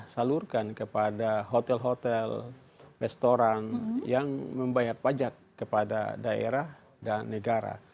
salurkan kepada hotel hotel restoran yang membayar pajak kepada daerah dan negara